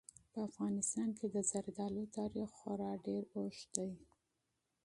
په افغانستان کې د زردالو تاریخ خورا ډېر اوږد دی.